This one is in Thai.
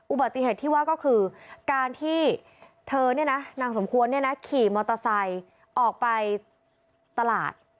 อุบัติเหตุที่ว่าก็คือการที่เธอเนี่ยนะนางสมควรเนี่ยนะขี่มอเตอร์ไซค์ออกไปตลาด